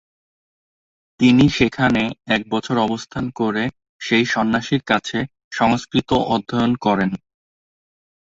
তিনি সেখানে এক বছর অবস্থান করে সেই সন্ন্যাসীর কাছে সংস্কৃত অধ্যয়ন করেন।